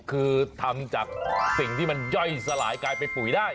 คือทำจากสิ่งที่มันย่อยสลายกลายเป็นปุ๋ยได้